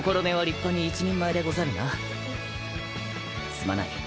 すまない。